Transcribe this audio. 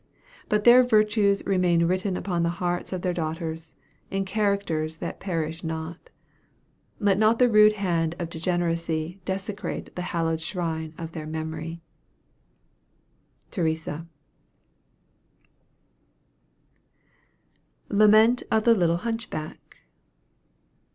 But their virtues remain written upon the hearts of their daughters, in characters that perish not. Let not the rude hand of degeneracy desecrate the hallowed shrine of their memory. THERESA. [Illustration: Decoration] LAMENT OF THE LITTLE HUNCHBACK.